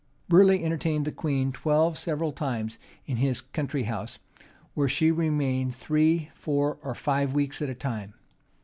Burleigh entertained the queen twelve several times in his country house; where she remained three, four, or five weeks at a time.